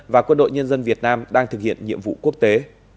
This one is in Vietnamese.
và quân đội nhân dân việt nam đang thực hiện nhiệm vụ quốc tế